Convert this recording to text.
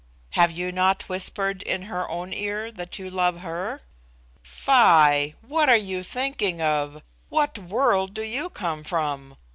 "Have you not whispered in her own ear that you love her?" "Fie! What are you thinking of? What world do you come from?